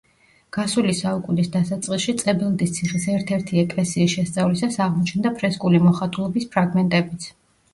გასული საუკუნის დასაწყისში წებელდის ციხის ერთ-ერთი ეკლესიის შესწავლისას აღმოჩნდა ფრესკული მოხატულობის ფრაგმენტებიც.